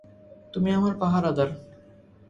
তুমি আমার পাহারাদার।